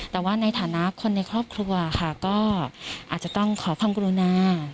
แต่ว่าในฐานะคนในครอบครัวค่ะก็อาจจะต้องขอความกรุณา